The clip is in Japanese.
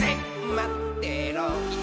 「まってろよ！」